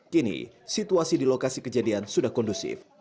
kini situasi di lokasi kejadian sudah kondusif